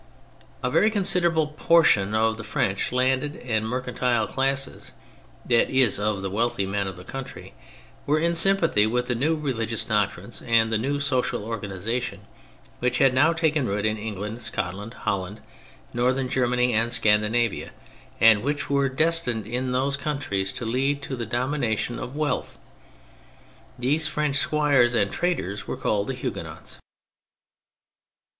A very considerable proportion of the French landed and mercantile classes, that is of the wealthy men of the country, were in sympathy with the new religious doctrines and the new social organisation w^hich had now taken root in England, Scotland, Holland, northern Germany and Scandinavia, and which were destined in those countries to lead to the domination of wealth. These French squires and traders were called the Huguenots.